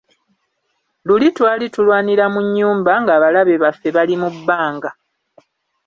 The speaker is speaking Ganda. Luli twali tulwanira mu nnyumba ng'abalabe baffe bali mu bbanga.